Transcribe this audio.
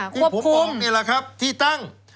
ควบคุมนี่แหละครับที่ตั้ง